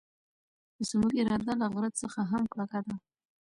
زموږ اراده له غره څخه هم کلکه ده.